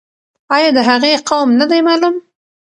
آیا د هغې قوم نه دی معلوم؟